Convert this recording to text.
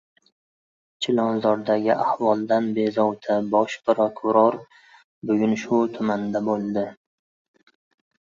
Chilonzordagi ahvoldan bezovta Bosh prokuror bugun shu tumanda bo‘ldi